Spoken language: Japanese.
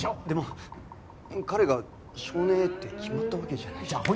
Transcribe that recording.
でも彼が少年Ａって決まったわけじゃないし。